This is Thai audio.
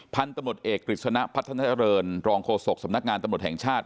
พันธุ์ตำลดเอกกฤษณะพัฒนธรรณรองโคศกสำนักงานตำลดแห่งชาติ